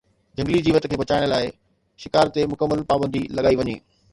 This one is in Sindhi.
جهنگلي جيوت کي بچائڻ لاءِ شڪار تي مڪمل پابندي لڳائي وڃي